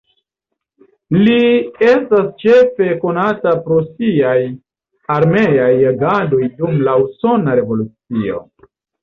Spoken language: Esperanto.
Li estas ĉefe konata pro siaj armeaj agadoj dum la Usona revolucio.